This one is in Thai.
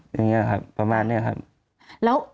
อย่างนี้ครับประมาณนี้ครับ